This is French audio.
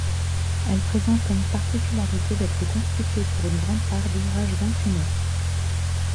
Elle présente comme particularité d'être constituée pour une grand part d'ouvrages imprimés.